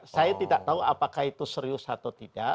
saya tidak tahu apakah itu serius atau tidak